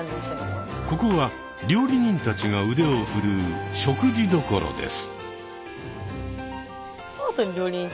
ここは料理人たちが腕を振るう食事処です。